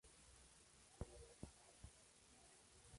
Su obra puede encuadrarse en el Romanticismo.